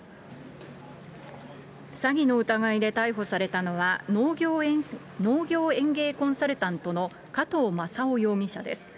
詐欺の疑いで逮捕されたのは、農業園芸コンサルタントの加藤正夫容疑者です。